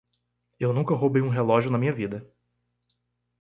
Eu nunca roubei um relógio na minha vida.